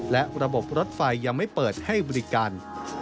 และระบบรถไฟยังไม่เปิดให้บริการ